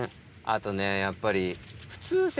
あとねやっぱり。